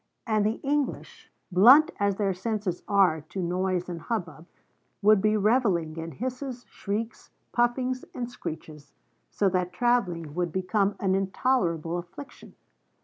And the English, blunt as their senses are to noise and hubbub, would be revelling in hisses, shrieks, puffings and screeches, so that travelling would become an intolerable affliction.